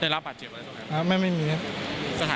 ได้รับบัตรเจ็บมาแล้วใช่ไหมอ๋อไม่ไม่มีครับ